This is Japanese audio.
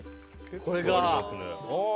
これが。